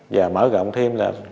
và mở rộng thêm là